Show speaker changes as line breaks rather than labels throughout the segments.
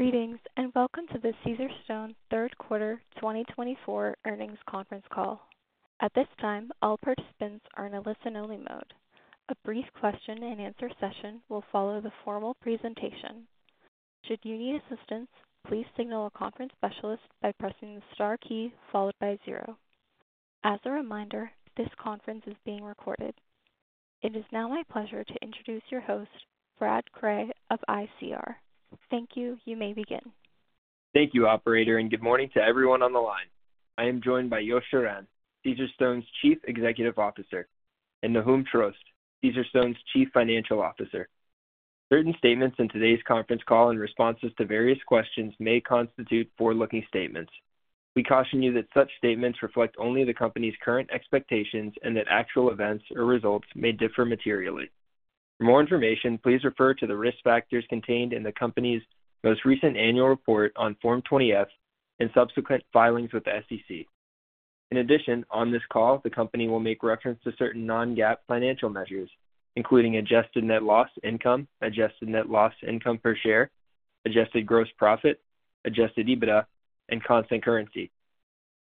Greetings and welcome to the Caesarstone Third Quarter 2024 earnings conference call. At this time, all participants are in a listen-only mode. A brief question-and-answer session will follow the formal presentation. Should you need assistance, please signal a conference specialist by pressing the star key followed by zero. As a reminder, this conference is being recorded. It is now my pleasure to introduce your host, Brad Cray of ICR. Thank you. You may begin.
Thank you, Operator, and good morning to everyone on the line. I am joined by Yosef Shiran, Caesarstone's Chief Executive Officer, and Nahum Trost, Caesarstone's Chief Financial Officer. Certain statements in today's conference call and responses to various questions may constitute forward-looking statements. We caution you that such statements reflect only the company's current expectations and that actual events or results may differ materially. For more information, please refer to the risk factors contained in the company's most recent annual report on Form 20-F and subsequent filings with the SEC. In addition, on this call, the company will make reference to certain non-GAAP financial measures, including adjusted net income, adjusted net income per share, adjusted gross profit, adjusted EBITDA, and constant currency.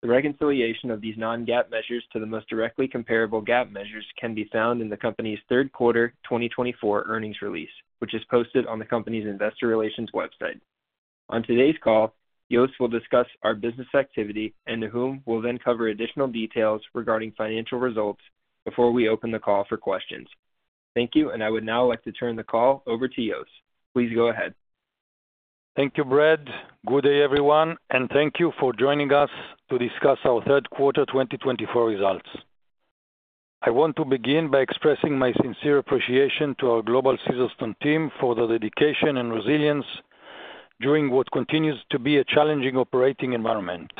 The reconciliation of these non-GAAP measures to the most directly comparable GAAP measures can be found in the company's Third Quarter 2024 earnings release, which is posted on the company's investor relations website. On today's call, Yosef will discuss our business activity, and Nahum will then cover additional details regarding financial results before we open the call for questions. Thank you, and I would now like to turn the call over to Yosef. Please go ahead.
Thank you, Brad. Good day, everyone, and thank you for joining us to discuss our Third Quarter 2024 results. I want to begin by expressing my sincere appreciation to our global Caesarstone team for the dedication and resilience during what continues to be a challenging operating environment.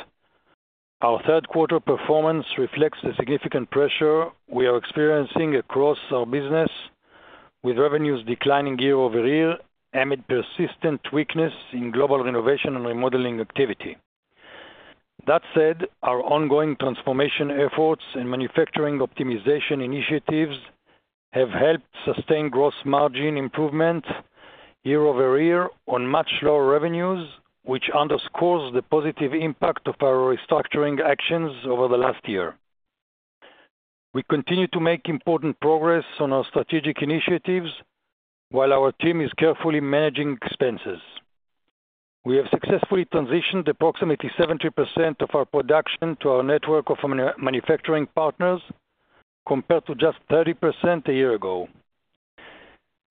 Our Third Quarter performance reflects the significant pressure we are experiencing across our business, with revenues declining year over year amid persistent weakness in global renovation and remodeling activity. That said, our ongoing transformation efforts and manufacturing optimization initiatives have helped sustain gross margin improvement year over year on much lower revenues, which underscores the positive impact of our restructuring actions over the last year. We continue to make important progress on our strategic initiatives while our team is carefully managing expenses. We have successfully transitioned approximately 70% of our production to our network of manufacturing partners, compared to just 30% a year ago.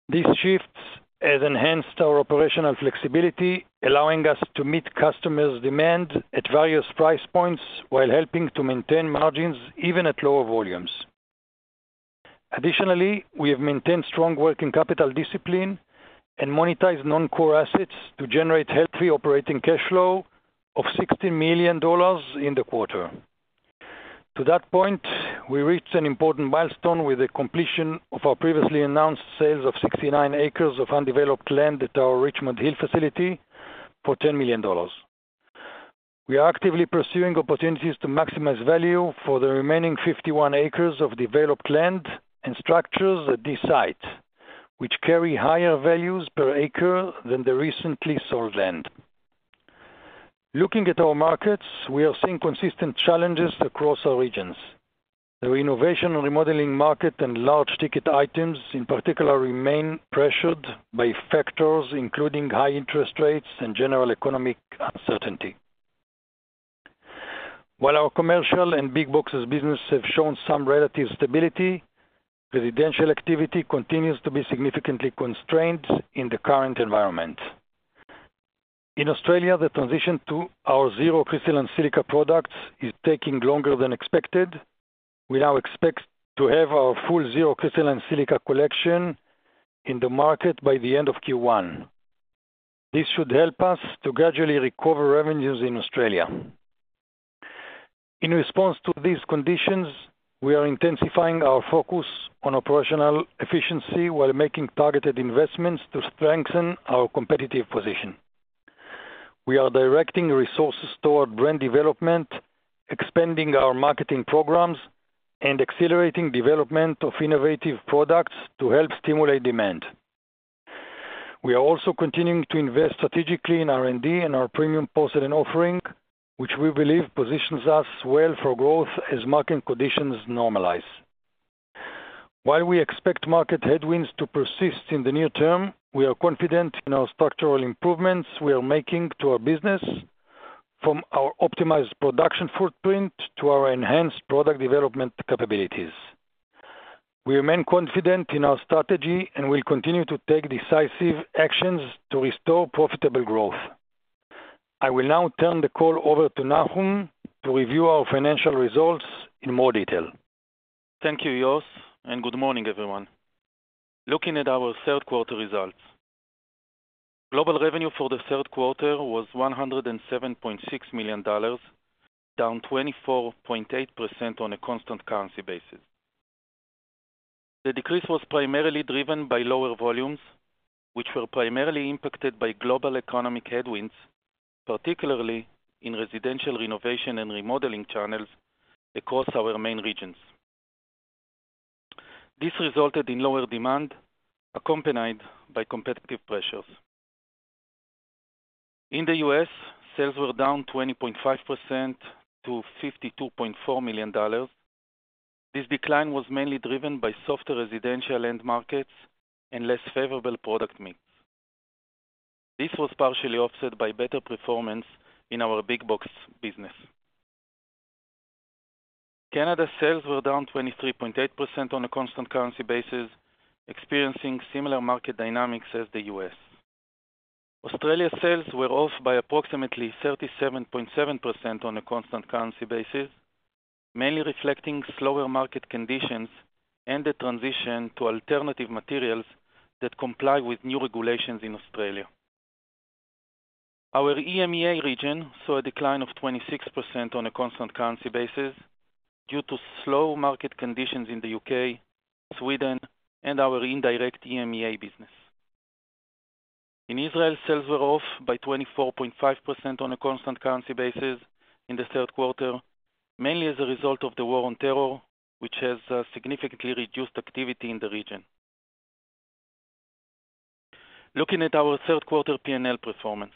These shifts have enhanced our operational flexibility, allowing us to meet customers' demand at various price points while helping to maintain margins even at lower volumes. Additionally, we have maintained strong working capital discipline and monetized non-core assets to generate healthy operating cash flow of $16 million in the quarter. To that point, we reached an important milestone with the completion of our previously announced sales of 69 acres of undeveloped land at our Richmond Hill facility for $10 million. We are actively pursuing opportunities to maximize value for the remaining 51 acres of developed land and structures at this site, which carry higher values per acre than the recently sold land. Looking at our markets, we are seeing consistent challenges across our regions. The renovation and remodeling market and large-ticket items, in particular, remain pressured by factors including high interest rates and general economic uncertainty. While our commercial and big boxes business have shown some relative stability, residential activity continues to be significantly constrained in the current environment. In Australia, the transition to our zero crystalline silica products is taking longer than expected. We now expect to have our full zero crystalline silica collection in the market by the end of Q1. This should help us to gradually recover revenues in Australia. In response to these conditions, we are intensifying our focus on operational efficiency while making targeted investments to strengthen our competitive position. We are directing resources toward brand development, expanding our marketing programs, and accelerating development of innovative products to help stimulate demand. We are also continuing to invest strategically in R&D and our premium post-sale offering, which we believe positions us well for growth as market conditions normalize. While we expect market headwinds to persist in the near term, we are confident in our structural improvements we are making to our business, from our optimized production footprint to our enhanced product development capabilities. We remain confident in our strategy and will continue to take decisive actions to restore profitable growth. I will now turn the call over to Nahum to review our financial results in more detail.
Thank you, Yosef, and good morning, everyone. Looking at our Third Quarter results, global revenue for the Third Quarter was $107.6 million, down 24.8% on a constant currency basis. The decrease was primarily driven by lower volumes, which were primarily impacted by global economic headwinds, particularly in residential renovation and remodeling channels across our main regions. This resulted in lower demand, accompanied by competitive pressures. In the U.S., sales were down 20.5% to $52.4 million. This decline was mainly driven by softer residential end markets and less favorable product mix. This was partially offset by better performance in our big boxes business. Canada sales were down 23.8% on a constant currency basis, experiencing similar market dynamics as the U.S. Australia sales were off by approximately 37.7% on a constant currency basis, mainly reflecting slower market conditions and the transition to alternative materials that comply with new regulations in Australia. Our EMEA region saw a decline of 26% on a constant currency basis due to slow market conditions in the UK, Sweden, and our indirect EMEA business. In Israel, sales were off by 24.5% on a constant currency basis in the Third Quarter, mainly as a result of the war on terror, which has significantly reduced activity in the region. Looking at our Third Quarter P&L performance,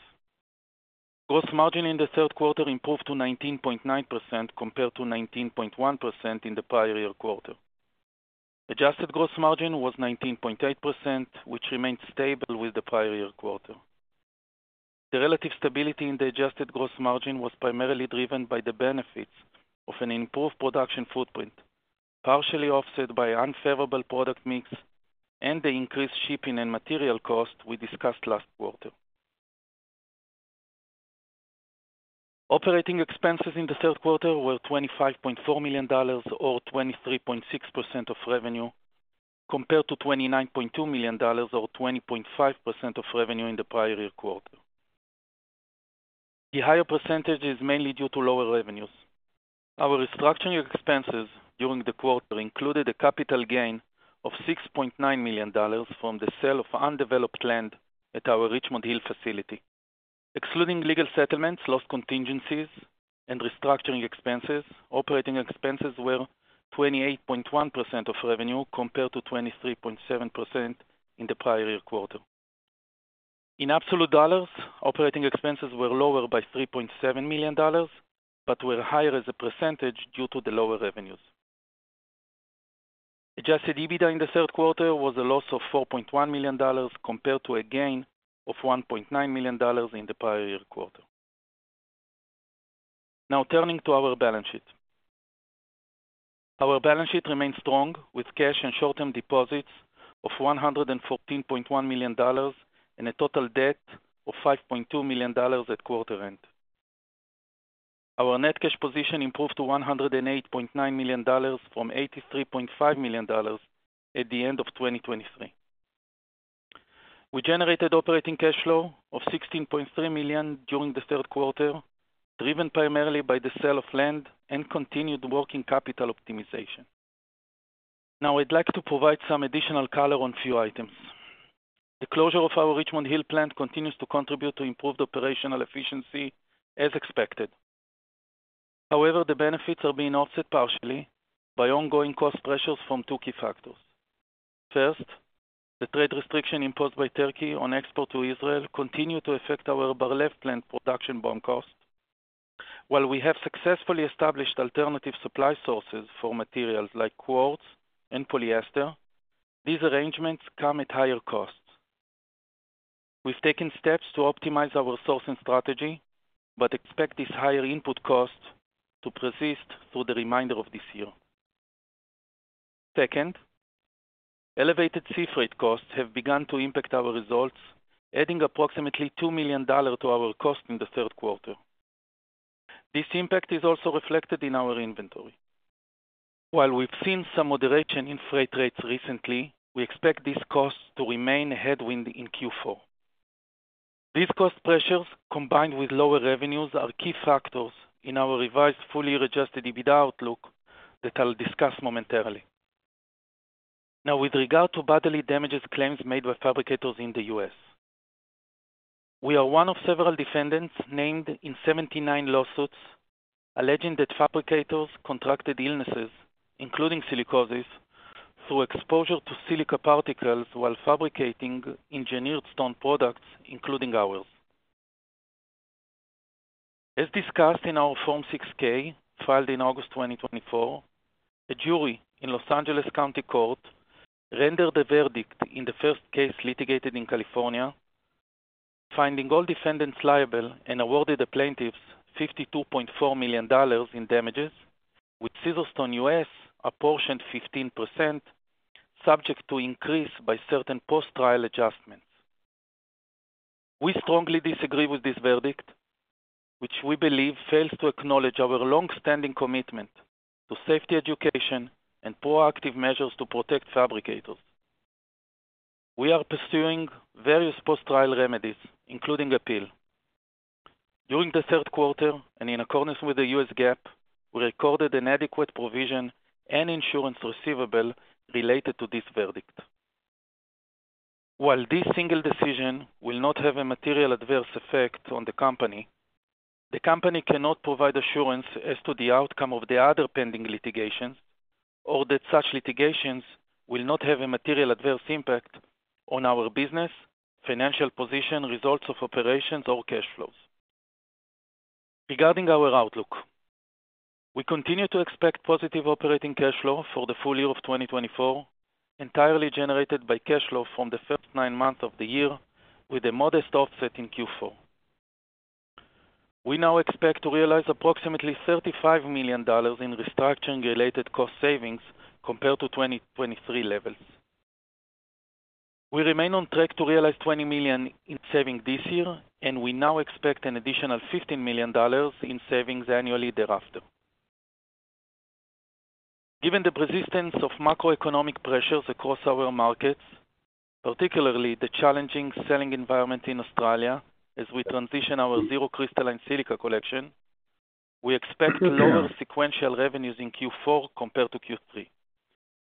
gross margin in the Third Quarter improved to 19.9% compared to 19.1% in the prior year quarter. Adjusted gross margin was 19.8%, which remained stable with the prior year quarter. The relative stability in the adjusted gross margin was primarily driven by the benefits of an improved production footprint, partially offset by unfavorable product mix, and the increased shipping and material costs we discussed last quarter. Operating expenses in the third quarter were $25.4 million, or 23.6% of revenue, compared to $29.2 million, or 20.5% of revenue in the prior year quarter. The higher percentage is mainly due to lower revenues. Our restructuring expenses during the quarter included a capital gain of $6.9 million from the sale of undeveloped land at our Richmond Hill facility. Excluding legal settlements, loss contingencies, and restructuring expenses, operating expenses were 28.1% of revenue compared to 23.7% in the prior year quarter. In absolute dollars, operating expenses were lower by $3.7 million, but were higher as a percentage due to the lower revenues. Adjusted EBITDA in the third quarter was a loss of $4.1 million compared to a gain of $1.9 million in the prior year quarter. Now, turning to our balance sheet. Our balance sheet remained strong, with cash and short-term deposits of $114.1 million and a total debt of $5.2 million at quarter end. Our net cash position improved to $108.9 million from $83.5 million at the end of 2023. We generated operating cash flow of $16.3 million during the third quarter, driven primarily by the sale of land and continued working capital optimization. Now, I'd like to provide some additional color on a few items. The closure of our Richmond Hill plant continues to contribute to improved operational efficiency, as expected. However, the benefits are being offset partially by ongoing cost pressures from two key factors. First, the trade restriction imposed by Turkey on export to Israel continues to affect our Bar-Lev plant production BOM cost. While we have successfully established alternative supply sources for materials like quartz and polyester, these arrangements come at higher costs. We've taken steps to optimize our sourcing strategy, but expect these higher input costs to persist through the remainder of this year. Second, elevated sea freight costs have begun to impact our results, adding approximately $2 million to our cost in the third quarter. This impact is also reflected in our inventory. While we've seen some moderation in freight rates recently, we expect these costs to remain a headwind in Q4. These cost pressures, combined with lower revenues, are key factors in our revised fully adjusted EBITDA outlook that I'll discuss momentarily. Now, with regard to bodily damages claims made by fabricators in the U.S., we are one of several defendants named in 79 lawsuits, alleging that fabricators contracted illnesses, including silicosis, through exposure to silica particles while fabricating engineered stone products, including ours. As discussed in our Form 6-K filed in August 2024, a jury in Los Angeles County Court rendered a verdict in the first case litigated in California, finding all defendants liable and awarded the plaintiffs $52.4 million in damages, with Caesarstone U.S. apportioned 15%, subject to increase by certain post-trial adjustments. We strongly disagree with this verdict, which we believe fails to acknowledge our long-standing commitment to safety education and proactive measures to protect fabricators. We are pursuing various post-trial remedies, including appeal. During the Third Quarter, and in accordance with the U.S. GAAP, we recorded an adequate provision and insurance receivable related to this verdict. While this single decision will not have a material adverse effect on the company, the company cannot provide assurance as to the outcome of the other pending litigations or that such litigations will not have a material adverse impact on our business, financial position, results of operations, or cash flows. Regarding our outlook, we continue to expect positive operating cash flow for the full year of 2024, entirely generated by cash flow from the first nine months of the year, with a modest offset in Q4. We now expect to realize approximately $35 million in restructuring-related cost savings compared to 2023 levels. We remain on track to realize $20 million in savings this year, and we now expect an additional $15 million in savings annually thereafter. Given the persistence of macroeconomic pressures across our markets, particularly the challenging selling environment in Australia as we transition our zero crystalline silica collection, we expect lower sequential revenues in Q4 compared to Q3,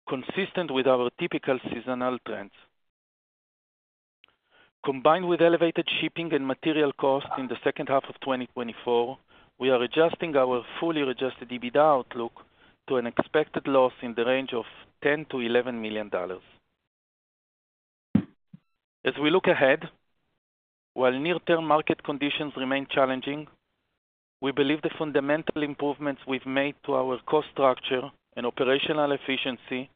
consistent with our typical seasonal trends. Combined with elevated shipping and material costs in the second half of 2024, we are adjusting our fully adjusted EBITDA outlook to an expected loss in the range of $10-$11 million. As we look ahead, while near-term market conditions remain challenging, we believe the fundamental improvements we've made to our cost structure and operational efficiency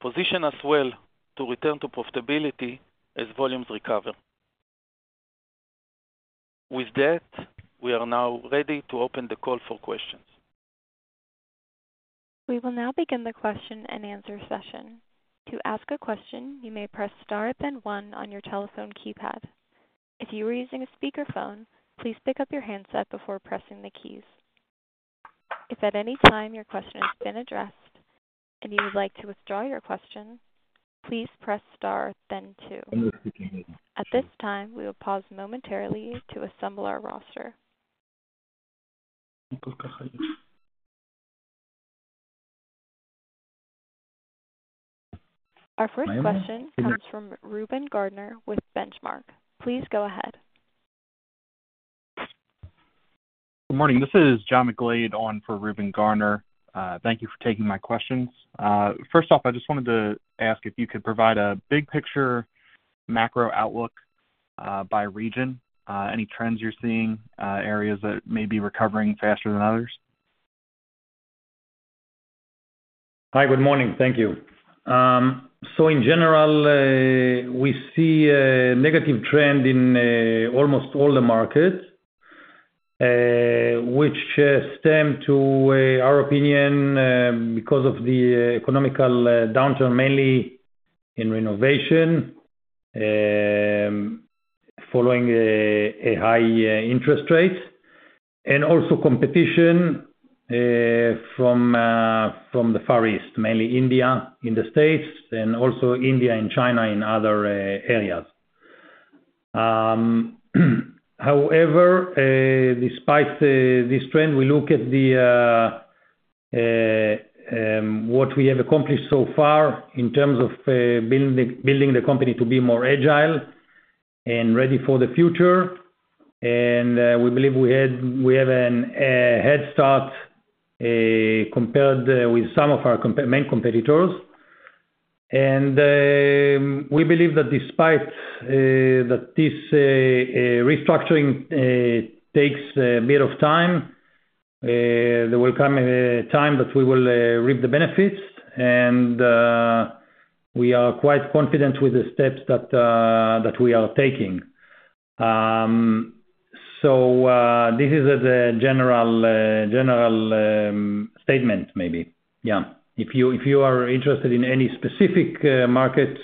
position us well to return to profitability as volumes recover. With that, we are now ready to open the call for questions.
We will now begin the question and answer session. To ask a question, you may press star then one on your telephone keypad. If you are using a speakerphone, please pick up your handset before pressing the keys. If at any time your question has been addressed and you would like to withdraw your question, please press star then two. At this time, we will pause momentarily to assemble our roster. Our first question comes from Reuben Garner with Benchmark. Please go ahead.
Good morning. This is John McGlade, on for Reuben Garner. Thank you for taking my questions. First off, I just wanted to ask if you could provide a big-picture macro outlook by region, any trends you're seeing, areas that may be recovering faster than others.
Hi, good morning. Thank you. So in general, we see a negative trend in almost all the markets, which stems from, in our opinion, the economic downturn, mainly in renovation, following a high interest rate, and also competition from the Far East, mainly India, in the States, and also India and China in other areas. However, despite this trend, we look at what we have accomplished so far in terms of building the company to be more agile and ready for the future. And we believe we have a head start compared with some of our main competitors. And we believe that despite this restructuring taking a bit of time, there will come a time that we will reap the benefits. And we are quite confident with the steps that we are taking. So this is a general statement, maybe. Yeah. If you are interested in any specific markets,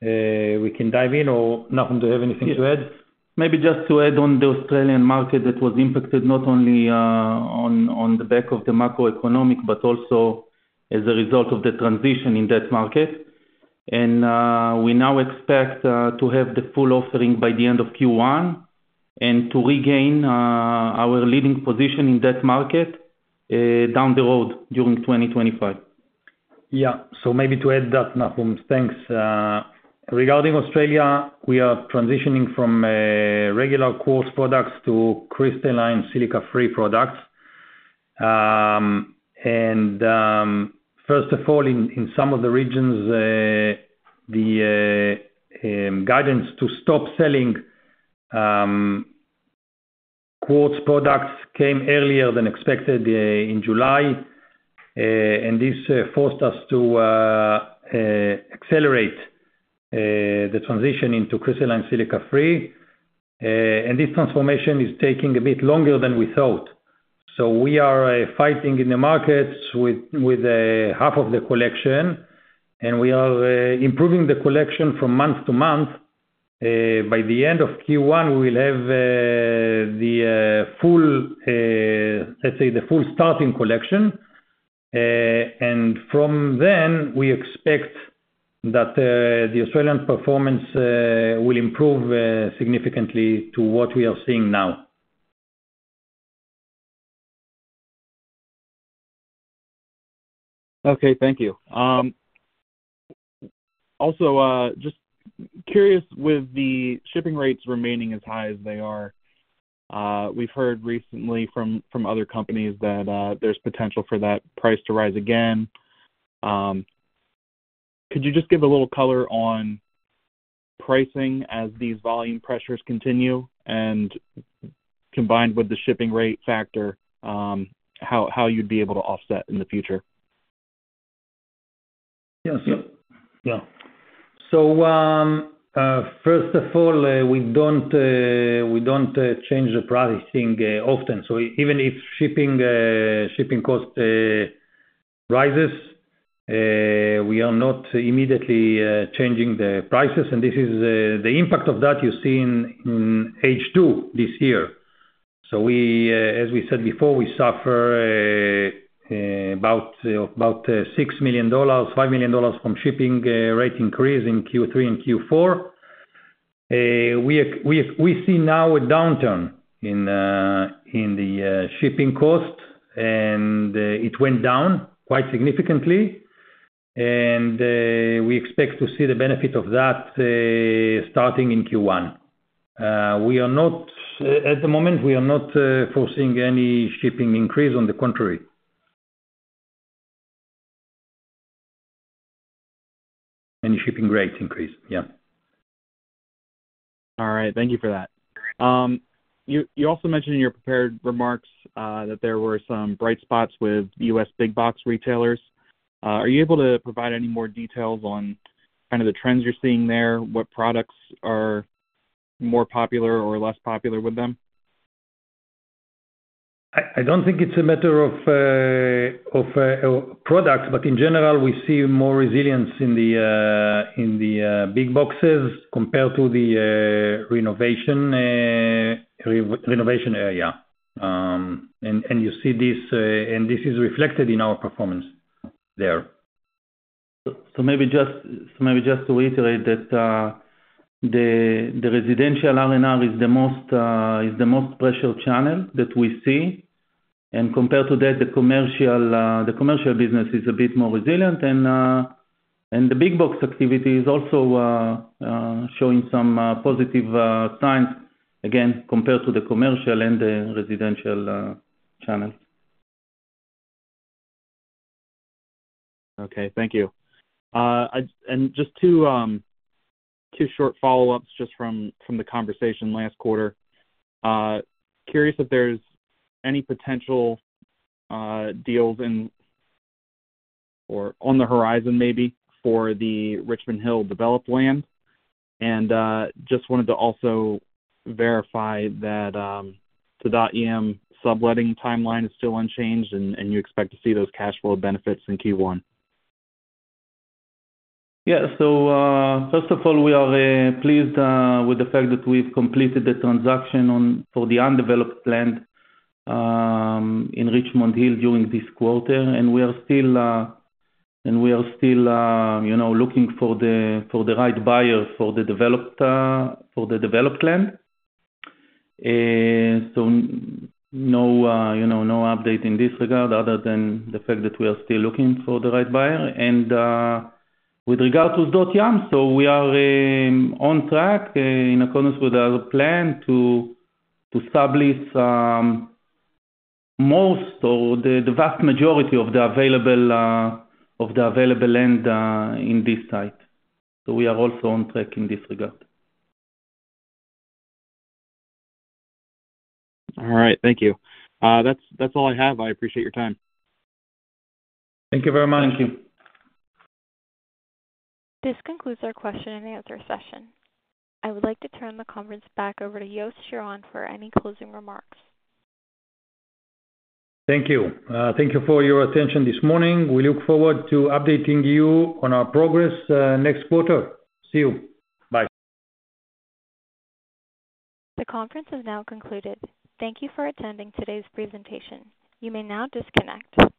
we can dive in, or Nahum, do you have anything to add?
Yes. Maybe just to add on the Australian market that was impacted not only on the back of the macroeconomic, but also as a result of the transition in that market. And we now expect to have the full offering by the end of Q1 and to regain our leading position in that market down the road during 2025.
Yeah. So maybe to add that, Nahum, thanks. Regarding Australia, we are transitioning from regular quartz products to crystalline silica-free products, and first of all, in some of the regions, the guidance to stop selling quartz products came earlier than expected in July, and this forced us to accelerate the transition into crystalline silica-free, and this transformation is taking a bit longer than we thought, so we are fighting in the markets with half of the collection, and we are improving the collection from month to month. By the end of Q1, we will have the full, let's say, the full starting collection, and from then, we expect that the Australian performance will improve significantly to what we are seeing now.
Okay. Thank you. Also, just curious, with the shipping rates remaining as high as they are, we've heard recently from other companies that there's potential for that price to rise again. Could you just give a little color on pricing as these volume pressures continue? And combined with the shipping rate factor, how you'd be able to offset in the future?
Yes. Yeah, so first of all, we don't change the pricing often. So even if shipping cost rises, we are not immediately changing the prices, and this is the impact of that you see in H2 this year. So as we said before, we suffer about $6 million, $5 million from shipping rate increase in Q3 and Q4. We see now a downturn in the shipping cost, and it went down quite significantly, and we expect to see the benefit of that starting in Q1. At the moment, we are not forcing any shipping increase, on the contrary. Any shipping rate increase. Yeah. All right. Thank you for that. You also mentioned in your prepared remarks that there were some bright spots with U.S. big-box retailers. Are you able to provide any more details on kind of the trends you're seeing there? What products are more popular or less popular with them? I don't think it's a matter of products, but in general, we see more resilience in the big boxes compared to the renovation area, and you see this, and this is reflected in our performance there, so maybe just to reiterate that the residential R&R is the most pressure channel that we see, and compared to that, the commercial business is a bit more resilient, and the big-box activity is also showing some positive signs, again, compared to the commercial and the residential channels.
Okay. Thank you. And just two short follow-ups just from the conversation last quarter. Curious if there's any potential deals on the horizon, maybe, for the Richmond Hill developed land. And just wanted to also verify that the Sdot Yam subletting timeline is still unchanged, and you expect to see those cash flow benefits in Q1.
Yeah. First of all, we are pleased with the fact that we've completed the transaction for the undeveloped land in Richmond Hill during this quarter. We are still looking for the right buyer for the developed land. No update in this regard other than the fact that we are still looking for the right buyer. With regard to Sdot Yam, we are on track in accordance with our plan to establish most or the vast majority of the available land in this site. We are also on track in this regard.
All right. Thank you. That's all I have. I appreciate your time.
Thank you very much.
Thank you.
This concludes our question and answer session. I would like to turn the conference back over to Yosef Shiran for any closing remarks.
Thank you. Thank you for your attention this morning. We look forward to updating you on our progress next quarter. See you. Bye.
The conference is now concluded. Thank you for attending today's presentation. You may now disconnect.